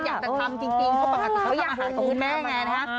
อยากจะทำจริงเพราะปกติเขาอยากอาหารของคุณแม่ไงนะฮะ